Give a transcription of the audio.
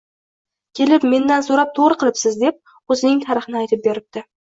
Kelib, mendan so`rab to`g`ri qilibsiz deb, o`zining tarixini aytib beribdi